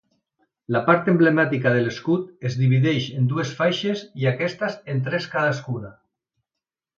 La part emblemàtica de l'escut es divideix en dues faixes i aquestes en tres cadascuna.